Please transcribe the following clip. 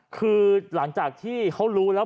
คือหลังจากที่เขารู้แล้ว